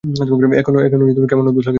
এখনো কেমন অদ্ভুত লাগে শুনতে।